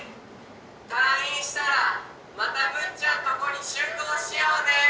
退院したらまたむっちゃんとこに集合しようね！